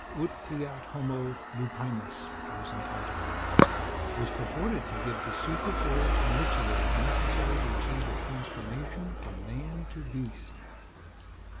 Ut Fiat Homo Lupinus it was entitled, which purported to give the secret words and ritual necessary to achieve the transformation from man to beast.